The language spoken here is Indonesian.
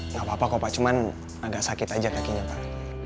nggak apa apa kok pak cuman agak sakit aja kakinya pak